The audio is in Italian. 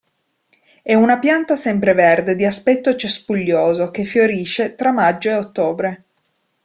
È una pianta sempreverde di aspetto cespuglioso, che fiorisce tra maggio e ottobre.